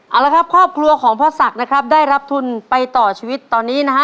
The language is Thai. เอาละครับครอบครัวของพ่อศักดิ์นะครับได้รับทุนไปต่อชีวิตตอนนี้นะฮะ